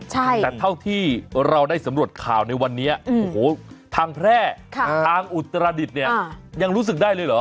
แต่เท่าที่เราได้สำรวจข่าวในวันนี้โอ้โหทางแพร่ทางอุตรดิษฐ์เนี่ยยังรู้สึกได้เลยเหรอ